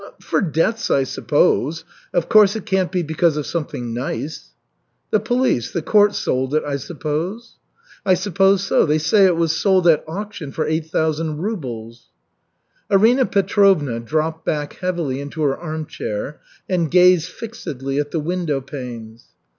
"For debts, I suppose. Of course it can't be because of something nice." "The police, the court, sold it, I suppose?" "I suppose so. They say it was sold at auction for 8,000 rubles." Arina Petrovna dropped back heavily into her armchair and gazed fixedly at the window panes.